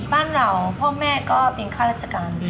บ้านเราพ่อแม่ก็เป็นข้าราชการดี